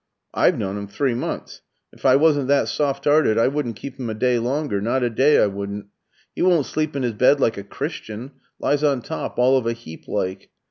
"I've known 'im three months; and if I wasn't that soft 'earted, I wouldn't keep 'im a day longer, not a day I wouldn't. 'E won't sleep in 'is bed like a Christian lies on top all of a heap like.